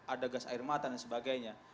ada gas air mata dan sebagainya